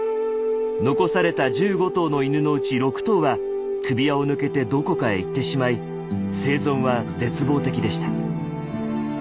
残された１５頭の犬のうち６頭は首輪を抜けてどこかへ行ってしまい生存は絶望的でした。